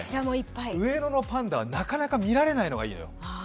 上野のパンダはなかなか見られないのがいいのよ。